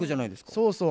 そうそう。